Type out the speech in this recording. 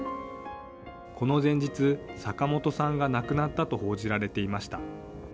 この前日、坂本さんが亡くなったと報じられていました。